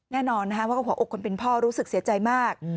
แน่นอนนะคะว่าหัวอกคนเป็นพ่อรู้สึกเสียใจมาก